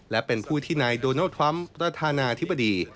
และเป็นผู้ที่นายโดนัลดทรัมป์ประธานาธิบดี